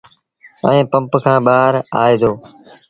ائيٚݩ پمپ کآݩ ٻآهر آئي دو۔